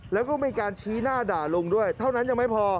แล้วก็มีการชี้หน้าด่าลุงด้วยเท่านั้นยังไม่พอ